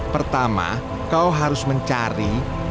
pertama kau harus mencari